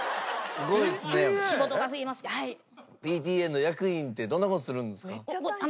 ＰＴＡの役員ってどんな事するんですか？